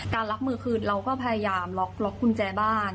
รับมือคือเราก็พยายามล็อกกุญแจบ้าน